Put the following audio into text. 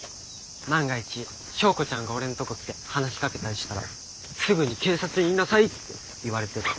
万が一昭子ちゃんが俺んとこ来て話しかけたりしたらすぐに警察に言いなさいって言われてる。